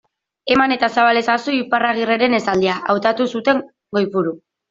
Eman eta zabal ezazu, Iparragirreren esaldia, hautatu zuten goiburu.